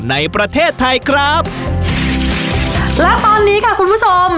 ในประเทศไทยครับและตอนนี้ค่ะคุณผู้ชม